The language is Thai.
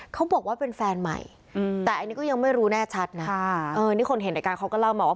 เขาบอกว่าเป็นแฟนใหม่แต่อันนี้ก็ยังไม่รู้แน่ชัดนะนี่คนเห็นในการเขาก็เล่ามาว่า